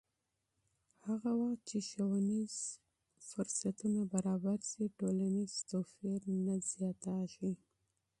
هغه مهال چې ښوونیز فرصتونه برابر شي، ټولنیز توپیر نه ژورېږي.